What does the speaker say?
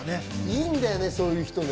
いるんだよね、そういう人も。